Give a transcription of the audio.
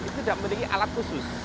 itu tidak memiliki alat khusus